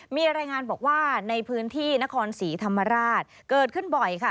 มีรายงานบอกว่าในพื้นที่นครศรีธรรมราชเกิดขึ้นบ่อยค่ะ